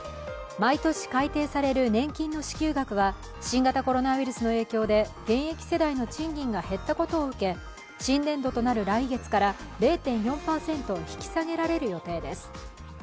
毎年改定される年金の支給額は、新型コロナウイルスの影響で現役世代の賃金が減ったことを受け新年度となる来月から０．４％引き下げられる予定です。